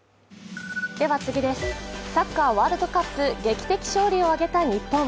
サッカーワールドカップ劇的勝利を挙げた日本。